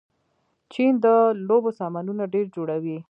چین د لوبو سامانونه ډېر جوړوي.